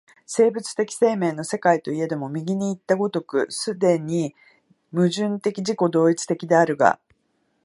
生物的生命の世界といえども、右にいった如く既に矛盾的自己同一的であるが、